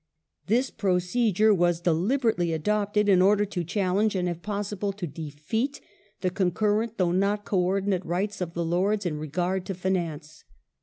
This procedure was deliberately adopted in order to challenge and, if possible, to defeat the concurrent, though not co ordinate, rights of the Lords in regard to finance.